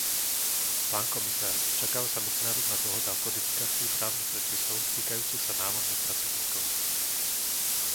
Pán komisár, očakáva sa medzinárodná dohoda o kodifikácii právnych predpisov týkajúcich sa námorných pracovníkov.